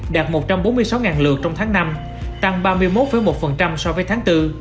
đạt một trăm bốn mươi sáu lượt trong tháng năm tăng ba mươi một một so với tháng bốn